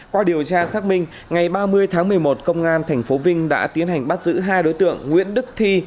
qua điều tra xác minh ngày ba mươi tháng một mươi một công an tp vinh đã tiến hành bắt giữ hai đối tượng nguyễn đức thi